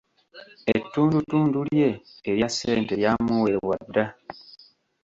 Ettundutundu lye erya ssente lyamuweebwa dda.